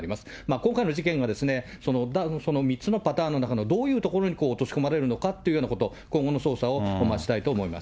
今回の事件がその３つのパターンの中の、どういうところに落とし込まれるのかというようなこと、今後の捜査を待ちたいと思います。